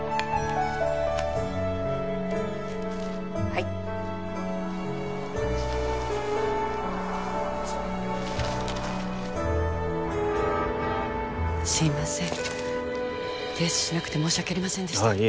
はいすいません提出しなくて申し訳ありませんでしたああ